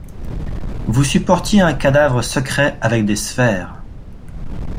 Vous supportiez un cadavre secret avec des sphères.